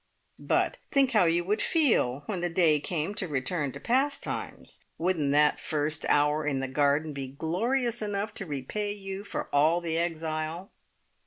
"But think how you would feel when the day came to return to Pastimes! Wouldn't that first hour in the garden be glorious enough to repay you for all the exile?"